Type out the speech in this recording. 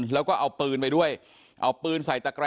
แล้วก็เอาปืนไปด้วยเอาปืนใส่ตะกร้า